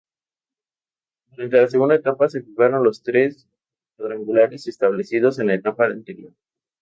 Durante la segunda etapa se jugaron los tres cuadrangulares establecidos en la etapa anterior.